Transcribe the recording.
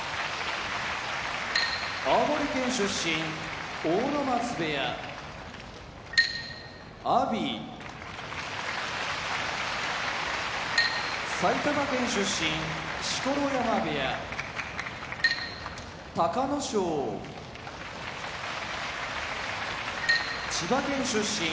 青森県出身阿武松部屋阿炎埼玉県出身錣山部屋隆の勝千葉県出身